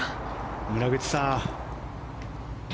村口さん。